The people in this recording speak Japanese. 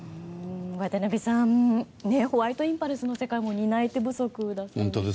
渡辺さんホワイトインパルスの世界も担い手不足だそうです。